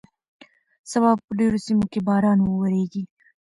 سبا به په ډېرو سیمو کې باران وورېږي.